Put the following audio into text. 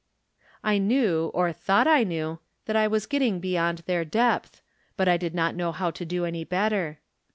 I knew, or thought I knew, that I was getting beyond their depth, but I did not know how to do any better.